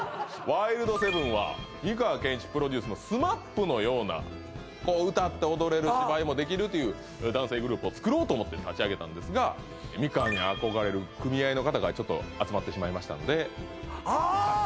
ワイルドセブンは美川憲一プロデュースのＳＭＡＰのような歌って踊れる芝居もできるという男性グループを作ろうと思って立ち上げたんですが美川に憧れる組合の方が集まってしまいましたのでああ！